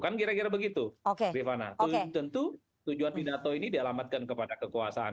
kan kira kira begitu oke rifana tentu tujuan pidato ini dialamatkan kepada kekuasaan